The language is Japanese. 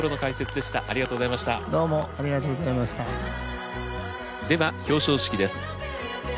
では表彰式です。